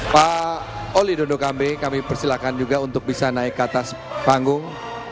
pak oli dondokambe kami persilahkan juga untuk bisa naik ke atas panggung